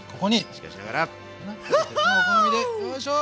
しかしながら！お好みでよいしょ！